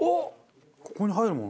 ここに入るもの？